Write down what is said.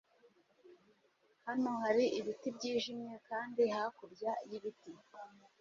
hano hari ibiti byijimye, kandi hakurya yibiti